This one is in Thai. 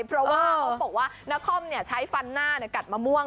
เพราะว่าเขาบอกว่านครใช้ฟันหน้ากัดมะม่วง